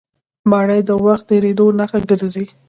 پاڼې د وخت تېرېدو نښه ګرځي